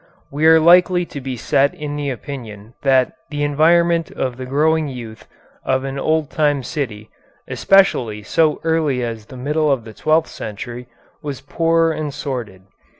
We are likely to be set in the opinion that the environment of the growing youth of an old time city, especially so early as the middle of the twelfth century, was poor and sordid.